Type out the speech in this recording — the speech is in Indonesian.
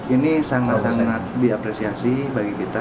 ini sangat sangat diapresiasi bagi kita